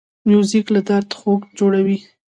موزیک له درد خوږ جوړوي.